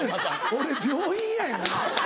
俺病院やよな。